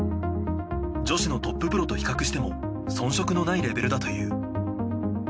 女子のトッププロと比較しても遜色のないレベルだという。